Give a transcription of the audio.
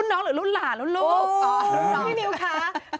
รุ่นน้องหรือรุ่นหลานรุ่นลูก